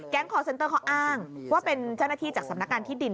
คอร์เซ็นเตอร์เขาอ้างว่าเป็นเจ้าหน้าที่จากสำนักงานที่ดิน